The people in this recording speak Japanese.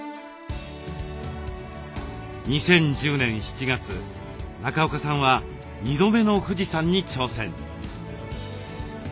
２０１０年７月中岡さんは２度目の富士山に挑戦。